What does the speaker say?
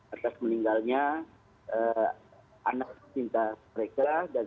atas meninggalnya anak cinta mereka